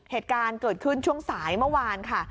เหตุการณ์เกิดขึ้นช่วงสายเมื่อวานค่ะ